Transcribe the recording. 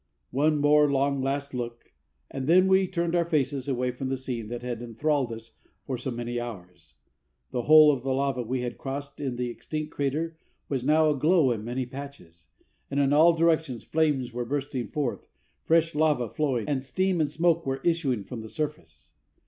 One more long last look, and then we turned our faces away from the scene that had enthralled us for so many hours. The whole of the lava we had crossed in the extinct crater was now aglow in many patches, and in all directions flames were bursting forth, fresh lava flowing, and steam and smoke were issuing from the surface.